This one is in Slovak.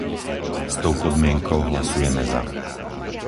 S tou podmienkou hlasujeme za.